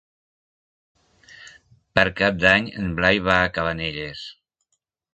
Per Cap d'Any en Blai va a Cabanelles.